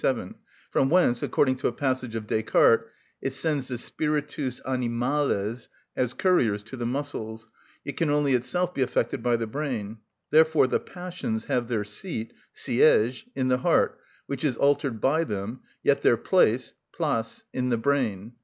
137); from whence, according to a passage of Descartes, it sends the spiritus animales as couriers to the muscles, yet can only itself be affected by the brain; therefore the passions have their seat (siège) in the heart, which is altered by them, yet their place (place) in the brain.